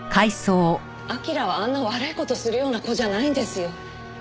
彬はあんな悪い事するような子じゃないんですよ。